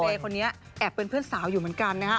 คนนี้แอบเป็นเพื่อนสาวอยู่เหมือนกันนะฮะ